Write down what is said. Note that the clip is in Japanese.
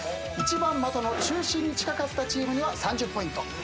一番的の中心に近かったチームには３０ポイント。